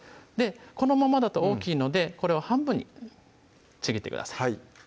このままだと大きいのでこれを半分にちぎってください